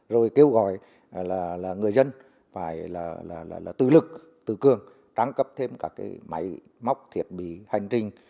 rồi kêu gọi người dân phải tự lực tự cương trang cấp thêm các máy móc thiết bị hành trình